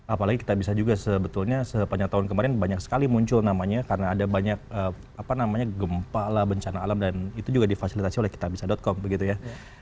apalagi kita bisa juga sebetulnya sepanjang tahun kemarin banyak sekali muncul namanya karena ada banyak apa namanya gempa lah bencana alam dan itu juga difasilitasi oleh kitabisa com begitu ya